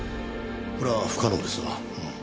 これは不可能ですな。